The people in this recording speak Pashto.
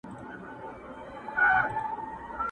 نوم به دي نه وو په غزل کي مي راتللې اشنا،